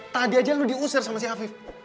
tadi aja lu diusir sama si afif